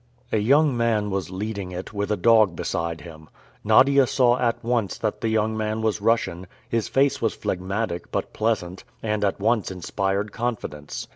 A young man was leading it, with a dog beside him. Nadia saw at once that the young man was Russian; his face was phlegmatic, but pleasant, and at once inspired confidence.